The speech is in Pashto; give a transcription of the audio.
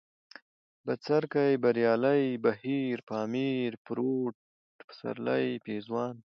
بڅرکى ، بريالی ، بهير ، پامير ، پروټ ، پسرلی ، پېزوان